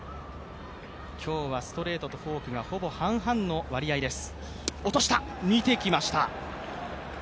今日はストレートとフォークがほぼ半々の割合です。